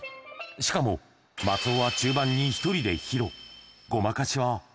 しかも、松尾は中盤に１人で披露。